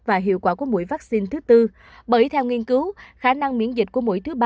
và hiệu quả của mũi vaccine thứ tư bởi theo nghiên cứu khả năng miễn dịch của mũi thứ ba